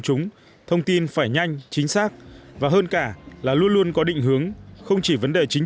chúng thông tin phải nhanh chính xác và hơn cả là luôn luôn có định hướng không chỉ vấn đề chính